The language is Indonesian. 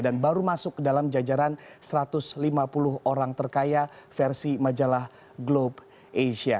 dan baru masuk ke dalam jajaran satu ratus lima puluh orang terkaya versi majalah globe asia